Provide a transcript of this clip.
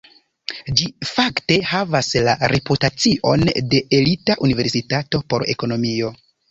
Ĝi fakte havas la reputacion de elita universitato por ekonomio.